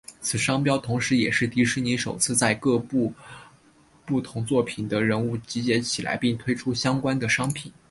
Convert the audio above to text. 此商标同时也是迪士尼首次将各部不同作品的人物集结起来并推出相关的商品。